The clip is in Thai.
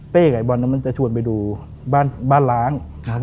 เป้กับไอ้บอลมันจะชวนไปดูบ้านล้าง